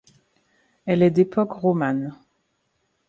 Elle est d'époque romane.